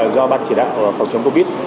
do ban chỉ đạo phòng chống covid